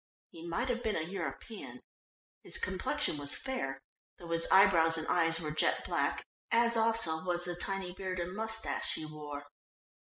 He might have been a European; his complexion was fair, though his eyebrows and eyes were jet black, as also was the tiny beard and moustache he wore.